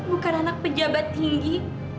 bukan anak pejabat tinggi